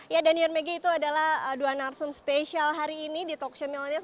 ya dan yon maggi itu adalah doa narsum spesial hari ini di talkshow milenial